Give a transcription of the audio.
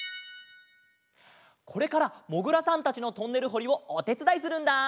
これからもぐらさんたちのトンネルほりをおてつだいするんだ！